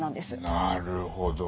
なるほど。